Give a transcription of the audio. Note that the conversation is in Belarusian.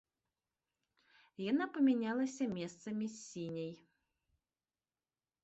Яна памянялася месцамі з сіняй.